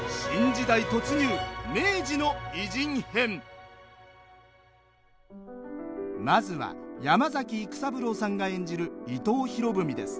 題してまずは山崎育三郎さんが演じる伊藤博文です。